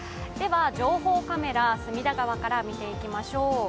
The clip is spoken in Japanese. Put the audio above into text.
情報カメラ、隅田川から見ていきましょう。